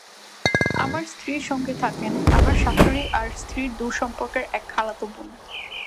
আমার স্ত্রীর সঙ্গে থাকেন আমার শাশুড়ি আর আমার স্ত্রীর দূর সম্পর্কের এক খালাতো বোন।